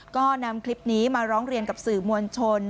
ก็นำคลิปนี้มาร้องเรียนกับสื่อมวลชน